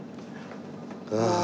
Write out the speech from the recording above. ああ。